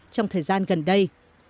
trong thời gian gần đây